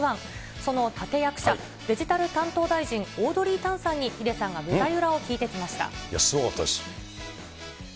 その立て役者、デジタル担当大臣、オードリー・タンさんに、ヒデさんが舞台裏を聞いてきました。